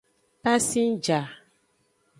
Pasingja.